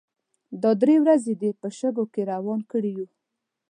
دا درې ورځې دې په شګو کې روان کړي يو.